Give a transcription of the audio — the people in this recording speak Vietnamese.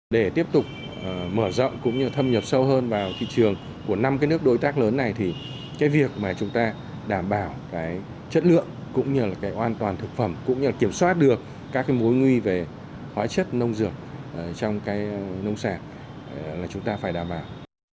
để tiếp tục mở rộng cũng như thâm nhập sâu hơn vào thị trường của năm cái nước đối tác lớn này thì cái việc mà chúng ta đảm bảo cái chất lượng cũng như là cái an toàn thực phẩm cũng như kiểm soát được các cái mối nguy về hóa chất nông dược trong cái nông sản là chúng ta phải đảm bảo